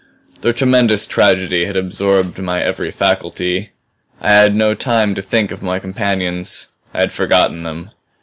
The tremendous tragedy had absorbed my every faculty; I had had no time to think of my companions; I had forgotten them.